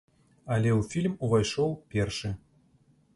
Але ў фільм увайшоў першы.